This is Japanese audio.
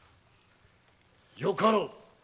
よかろう。